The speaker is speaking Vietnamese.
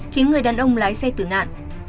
khiến người đàn ông lái xe tử nạn